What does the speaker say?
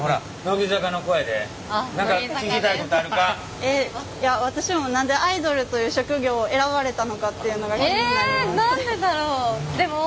えっいや私も何でアイドルという職業を選ばれたのかっていうのが気になります。